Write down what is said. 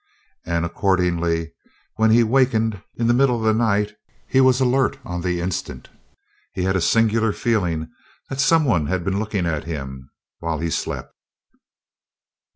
And accordingly, when he wakened in the middle of the night, he was alert on the instant. He had a singular feeling that someone had been looking at him while he slept.